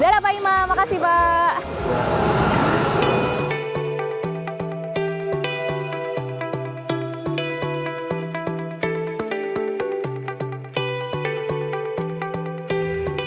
da dah pak imam makasih pak